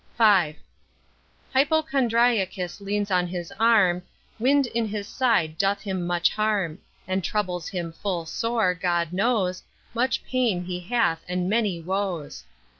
V. Hypocondriacus leans on his arm, Wind in his side doth him much harm, And troubles him full sore, God knows, Much pain he hath and many woes.